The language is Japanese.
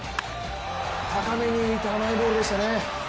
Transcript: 高めに浮いた甘いボールでしたね。